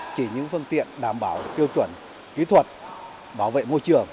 chỉ những phương tiện đảm bảo tiêu chuẩn kỹ thuật bảo vệ môi trường